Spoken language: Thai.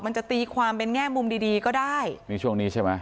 มันจะตีความเป็นแง่มุมดีดีก็ได้นี่ช่วงนี้ใช่ไหม